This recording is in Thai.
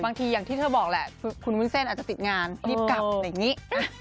บางทีอย่างที่เธอบอกแหละคุณวุ้นเส้นอาจจะติดงานหยิบกลับอย่างงี้